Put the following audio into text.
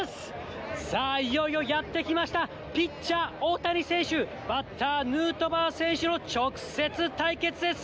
さあ、いよいよやってきました、ピッチャー、大谷選手、バッター、ヌートバー選手の直接対決です。